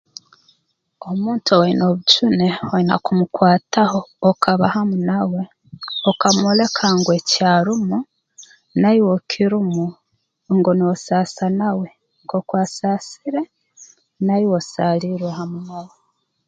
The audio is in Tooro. Omuntu owaine obujune oine kumukwataho okaba hamu nawe okamwoleka ngu ekyakurumu naiwe okirumu ngu noosaasa nawe nk'oku asaasire naiwe osaaliirwe hamu nawe